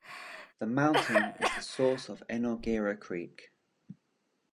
The mountain is the source of Enoggera Creek.